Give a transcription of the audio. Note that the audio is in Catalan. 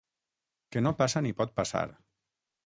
Que no passa ni pot passar.